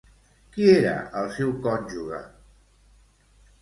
Qui era el seu cònjuge?